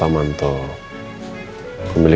kamu tenang dulu ya